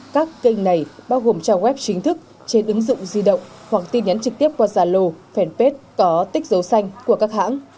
các kênh này bao gồm trang web chính thức trên ứng dụng di động hoặc tin nhắn trực tiếp qua zalo fanpage có tích dấu xanh của các hãng